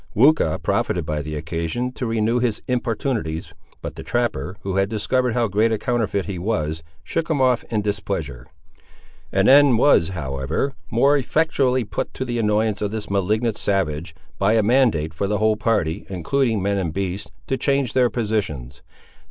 Weucha profited by the occasion to renew his importunities; but the trapper, who had discovered how great a counterfeit he was, shook him off in displeasure. An end was, however, more effectually put to the annoyance of this malignant savage, by a mandate for the whole party, including men and beasts, to change their positions.